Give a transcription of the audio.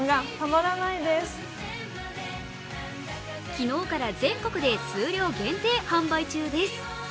昨日から全国で数量限定販売中です。